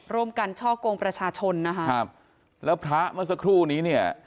ร่วมกันช่อกงประชาชนนะคะครับแล้วพระเมื่อสักครู่นี้เนี่ย